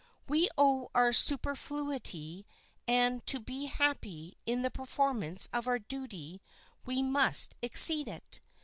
We owe our superfluity, and to be happy in the performance of our duty we must exceed it.